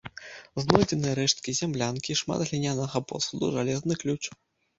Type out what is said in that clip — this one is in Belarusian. Знойдзены рэшткі зямлянкі, шмат глінянага посуду, жалезны ключ.